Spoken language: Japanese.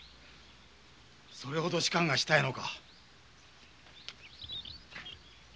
それほど仕官がしたいのか？